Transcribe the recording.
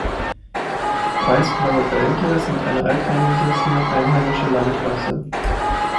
Weißblaue Belgier sind eine alteingesessene einheimische Landrasse.